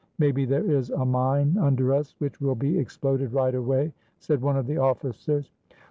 "Maybe there is a mine under us which will be ex ploded right away," said one of the officers.